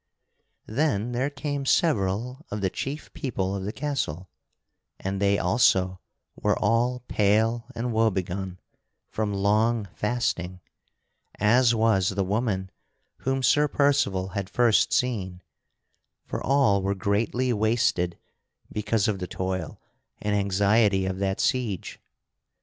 Then there came several of the chief people of the castle, and they also were all pale and woe begone from long fasting, as was the woman whom Sir Percival had first seen; for all were greatly wasted because of the toil and anxiety of that siege.